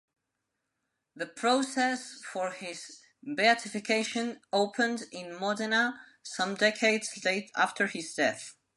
The process for his beatification opened in Modena some decades after his death.